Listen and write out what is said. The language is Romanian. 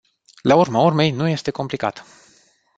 La urma urmei, nu este complicat!